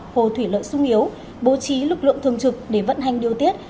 hồ thủy lợi sung yếu bố trí lực lượng thường trực để vận hành điều tiết